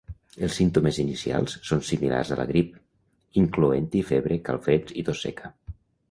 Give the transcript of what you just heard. Els símptomes inicials són similars a la grip, incloent-hi febre, calfreds i tos seca.